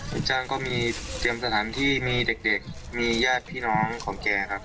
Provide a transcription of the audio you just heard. ลูกจ้างก็มีเตรียมสถานที่มีเด็กมีญาติพี่น้องของแกครับ